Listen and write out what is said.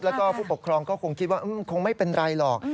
แล้วก็ผู้ปกครองก็คงคิดว่าคงไม่เป็นไรหรอก